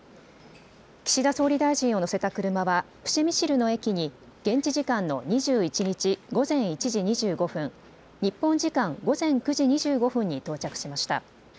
岸田総理大臣を乗せた車はプシェミシルの駅に現地時間の２１日午前１時２５分、日本時間午前９時２５分に到着しました。